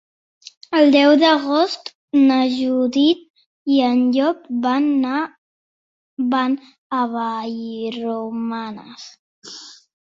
El deu d'agost na Judit i en Llop van a Vallromanes.